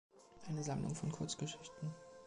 Eine Sammlung von Kurzgeschichten.